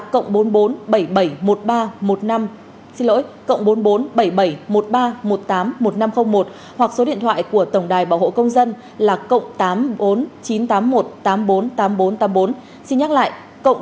cộng bốn mươi bốn bảy mươi bảy một mươi ba một mươi năm xin lỗi cộng bốn mươi bốn bảy mươi bảy một mươi ba một mươi tám một nghìn năm trăm linh một hoặc số điện thoại của tổng đài bảo hộ công dân là cộng tám mươi bốn chín trăm tám mươi một tám mươi bốn tám mươi bốn tám mươi bốn xin nhắc lại cộng tám mươi bốn chín trăm tám mươi một tám mươi bốn tám mươi bốn tám mươi bốn